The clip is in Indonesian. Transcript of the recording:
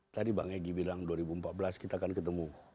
tadi bang egy bilang dua ribu empat belas kita akan ketemu